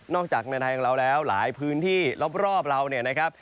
จากในไทยของเราแล้วหลายพื้นที่รอบเราเนี่ยนะครับ